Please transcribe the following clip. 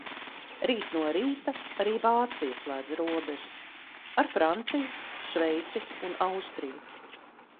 Rīt no rīta arī Vācija slēdz robežas - ar Franciju, Šveici un Austriju.